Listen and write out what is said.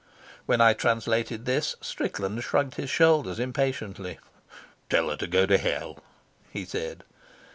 When I translated this, Strickland shrugged his shoulders impatiently. "Tell her to go to hell," he said.